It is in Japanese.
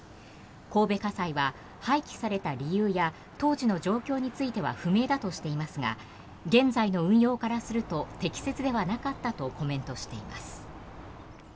神戸家裁は廃棄された理由や当時の状況については不明だとしていますが現在の運用からすると適切ではなかったとコメントしています。